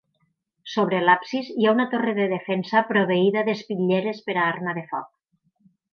Sobre l'absis hi ha una torre de defensa proveïda d'espitlleres per a arma de foc.